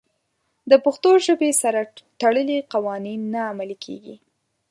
د پښتو ژبې سره تړلي قوانین نه عملي کېږي.